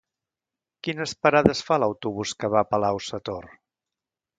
Quines parades fa l'autobús que va a Palau-sator?